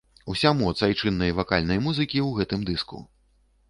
Уся моц айчыннай вакальнай музыкі ў гэтым дыску.